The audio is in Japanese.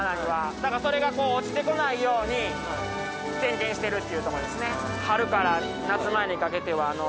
だからそれが落ちてこないように点検してるっていうところですね。